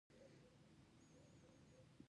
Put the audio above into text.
یوه شیبه وروسته مس ګیج راغله او زما پوښتنه یې وکړه.